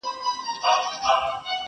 ما ژوندي پر لویو لارو دي شکولي!.